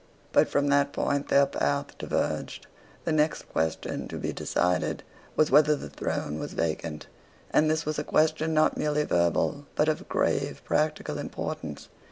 But from that point their path diverged. The next question to be decided was whether the throne was vacant; and this was a question not merely verbal, but of grave practical importance.